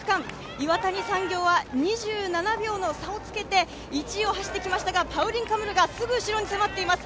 岩谷産業は２７秒の差をつけて１位を走ってきましたが、パウリン・カムルがすぐ後ろに迫っています。